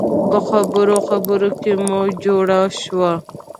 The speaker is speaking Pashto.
په خبرو خبرو کې مو جوړه شوه.